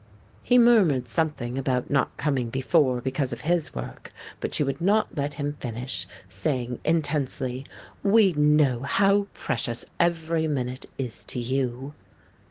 He murmured something about not coming before because of his work, but she would not let him finish, saying, intensely, "We know how precious every minute is to you."